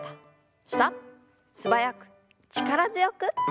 素早く力強く。